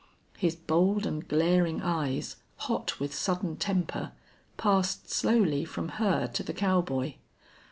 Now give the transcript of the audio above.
His bold and glaring eyes, hot with sudden temper, passed slowly from her to the cowboy.